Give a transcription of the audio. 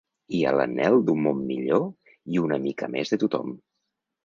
I a l’anhel d’un món millor i una mica més de tothom.